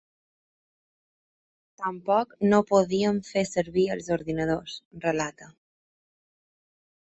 Tampoc no podíem fer servir els ordinadors, relata.